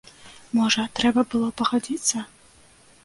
Можа, трэба было пагадзіцца?